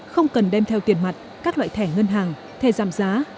không cần đem theo tiền mặt các loại thẻ ngân hàng thẻ giảm giá